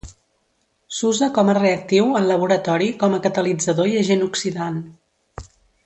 S’usa com a reactiu en laboratori com a catalitzador i agent oxidant.